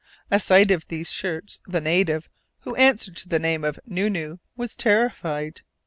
At sight of these shirts the native, who answered to the name of Nu Nu, was terrified.